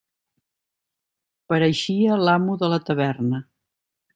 Pareixia l'amo de la taverna.